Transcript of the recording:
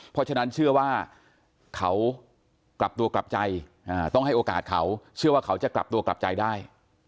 เพราะฉะนั้นเชื่อว่าเขากลับตัวกลับใจต้องให้โอกาสเขาเชื่อว่าเขาจะกลับตัวกลับใจได้